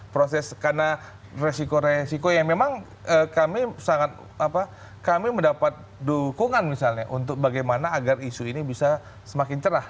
proses karena resiko resiko yang memang kami sangat kami mendapat dukungan misalnya untuk bagaimana agar isu ini bisa semakin cerah